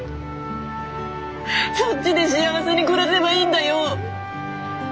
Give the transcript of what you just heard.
そっちで幸せに暮らせばいいんだよ。